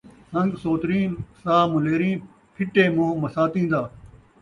سن٘ڳ سوتریں ، ساہ ملیریں ، پھٹے مون٘ہہ مساتیں دا